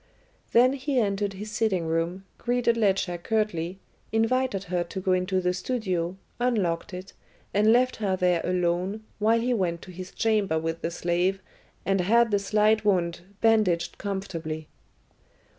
Then he entered his sitting room, greeted Ledscha curtly, invited her to go into the studio, unlocked it, and left her there alone while he went to his chamber with the slave and had the slight wound bandaged comfortably.